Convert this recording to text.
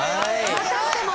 またしても。